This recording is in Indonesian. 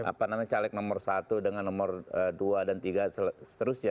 apa namanya caleg nomor satu dengan nomor dua dan tiga seterusnya